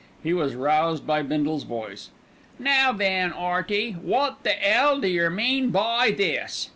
He was roused by Bindle's voice. "Now then, 'Earty, wot the 'ell do yer mean by this?"